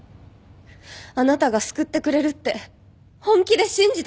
あなたが救ってくれるって本気で信じてたの！